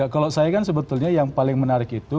kalau saya kan sebetulnya yang paling menarik itu